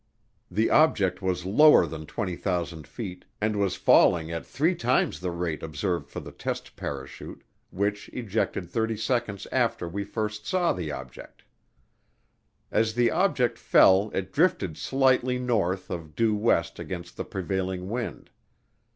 The object was lower than 20,000 feet, and was falling at three times the rate observed for the test parachute, which ejected thirty seconds after we first saw the object. As the object fell it drifted slightly north of due west against the prevailing wind.